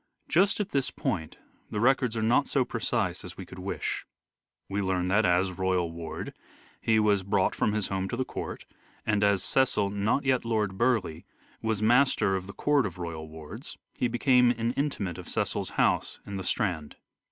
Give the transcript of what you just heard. Just at this point the records are not so precise as we could wish. We learn that, as royal ward, he was brought from his home to the court, and as Cecil (not yet Lord Burleigh) was master of the court of royal wards, he became an inmate of Cecil's house in the Strand.